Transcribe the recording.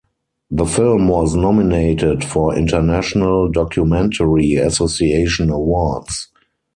The film was nominated for International Documentary Association awards.